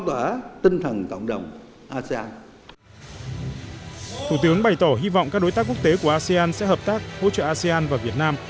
thủ tướng bày tỏ hy vọng các đối tác quốc tế của asean sẽ hợp tác hỗ trợ asean và việt nam